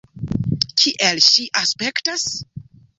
Kiel ŝi aspektas?